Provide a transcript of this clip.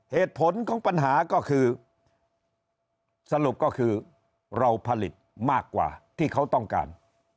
เหตุผลของปัญหาก็คือสรุปก็คือเราผลิตมากกว่าที่เขาต้องการ